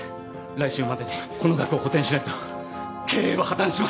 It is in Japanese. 来週までにこの額を補填しないと経営は破綻します。